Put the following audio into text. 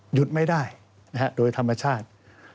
หยุดไม่ได้โดยธรรมชาติ